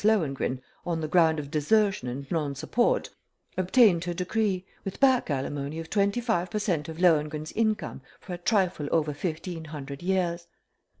Lohengrin on the ground of desertion and non support, obtained her decree, with back alimony of twenty five per cent. of Lohengrin's income for a trifle over fifteen hundred years.